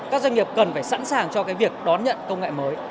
các doanh nghiệp cần phải sẵn sàng cho cái việc đón nhận công nghệ mới